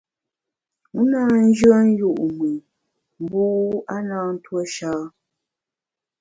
U na nyùen yu’ mùn mbu (w) a na ntuo sha.